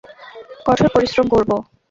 কঠোর পরিশ্রম করব।